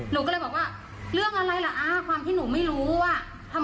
หนูก็เลยบอกว่าเรื่องอะไรล่ะอ่าความที่หนูไม่รู้ว่า